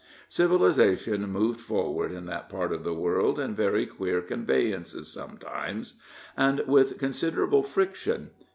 Civilization moved forward in that part of the world in very queer conveyances sometimes, and with considerable friction.